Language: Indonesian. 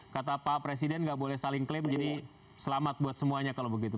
kata pak presiden nggak boleh saling klaim jadi selamat buat semuanya kalau begitu